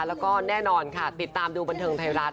แล้วก็แน่นอนค่ะติดตามดูบันเทิงไทยรัฐ